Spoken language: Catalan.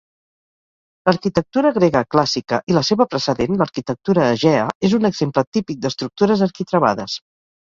L'arquitectura grega clàssica i la seva precedent, l'arquitectura egea, és un exemple típic d'estructures arquitravades.